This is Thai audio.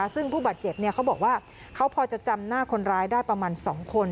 ซึ่งผู้บาดเจ็บเขาบอกว่าเขาพอจะจำหน้าคนร้ายได้ประมาณ๒คน